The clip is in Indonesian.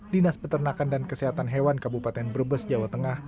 dinas peternakan dan kesehatan hewan kabupaten brebes jawa tengah